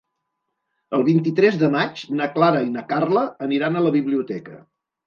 El vint-i-tres de maig na Clara i na Carla aniran a la biblioteca.